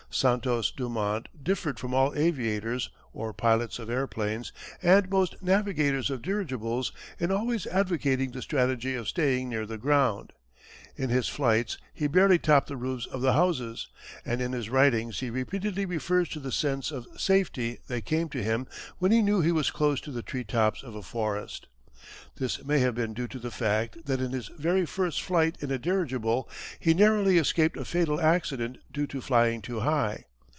Santos Dumont differed from all aviators (or pilots of airplanes) and most navigators of dirigibles in always advocating the strategy of staying near the ground. In his flights he barely topped the roofs of the houses, and in his writings he repeatedly refers to the sense of safety that came to him when he knew he was close to the tree tops of a forest. This may have been due to the fact that in his very first flight in a dirigible he narrowly escaped a fatal accident due to flying too high.